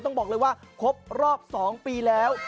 ต้องบอกเลยว่าครบรอบ๒ปีแล้ว